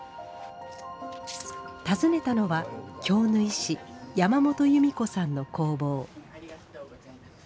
訪ねたのは京繍師山本由美子さんの工房